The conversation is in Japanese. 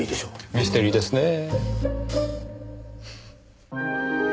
ミステリーですねぇ。